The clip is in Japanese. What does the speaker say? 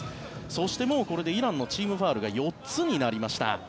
そしてもうこれでイランのチームファウルが４つになりました。